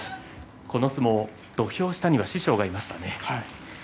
この相撲、土俵下には師匠がいましたね。